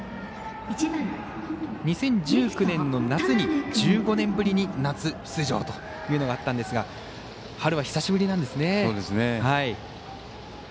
２０１９年の夏に１５年ぶりに夏出場というのがあったんですが春は久しぶりなんですね。